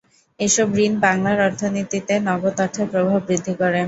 এসব ঋণ বাংলার অর্থনীতিতে নগদ অর্থের প্রবাহ বৃদ্ধি করে।